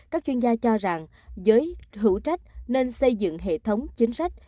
các chuyên gia cho rằng giới hữu trách nên xây dựng hệ thống chính sách